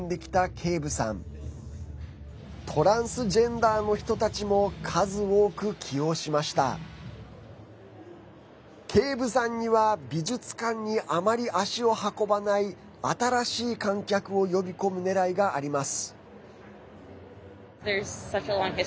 ケイブさんには美術館にあまり足を運ばない新しい観客を呼び込むねらいがあります。